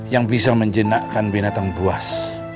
yang bisa menjenakkan binatang buas